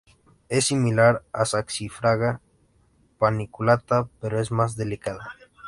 Es similar a "Saxifraga paniculata", pero es más delicada.